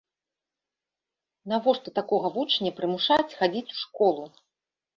Навошта такога вучня прымушаць хадзіць у школу?